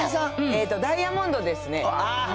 ダイヤモンドですね。